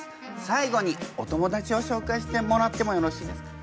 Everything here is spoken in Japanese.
最後にお友達をしょうかいしてもらってもよろしいですか？